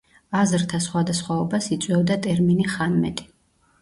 აზრთა სხვადასხვაობას იწვევდა ტერმინი ხანმეტი.